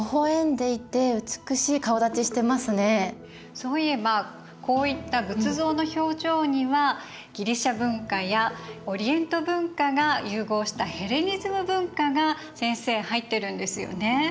そういえばこういった仏像の表情にはギリシア文化やオリエント文化が融合したヘレニズム文化が先生入ってるんですよね。